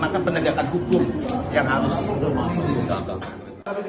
maka penegakan hukum yang harus mampu